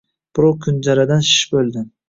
Birov kunjara-dan shishib o‘ldi.